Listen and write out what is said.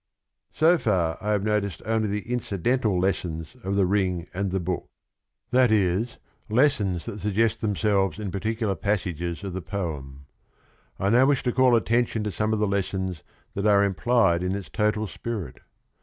So far I have noticed only the incidental lessons of The Ring and the Book; that is, lessons LESSONS OF RING AND BOOK 227 that suggest themselves in particular passages of the poem. I now wish to call attention to some of the lessons that are implied in its total spirit.